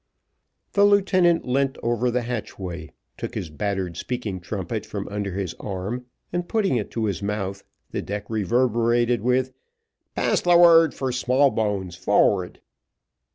The lieutenant leant over the hatchway, took his battered speaking trumpet from under his arm, and putting it to his mouth, the deck reverberated with, "Pass the word for Smallbones forward."